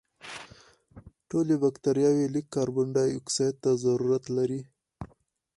ټولې بکټریاوې لږ کاربن دای اکسایډ ته ضرورت لري.